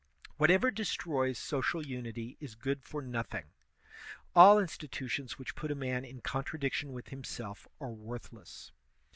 Whatever destroys social unity is good for nothing; all institutions which put a man in contradiction with him self are worthless.